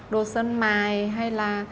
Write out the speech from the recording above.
đồ sơn mài hay là